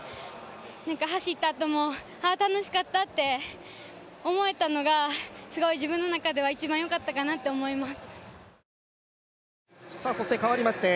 走ったあとも、ああ楽しかったって思えたのがすごい自分の中では一番よかったかなって思います。